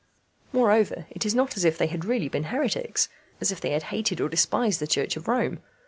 Moreover, it is not as if they had really been heretics, as if they hated or despised the Church of Rome.